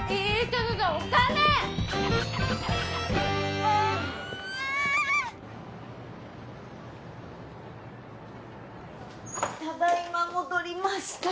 ただ今戻りました。